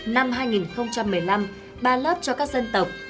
năm hai nghìn một mươi năm ba lớp cho các dân tộc